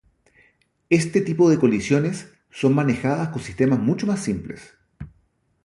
Este tipo de colisiones son manejadas con sistemas mucho más simples.